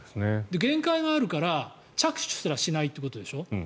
限界があるから着手すらしないということでしょ。